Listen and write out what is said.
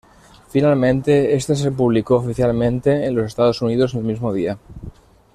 Finalmente, este se publicó oficialmente en los Estados Unidos el mismo día.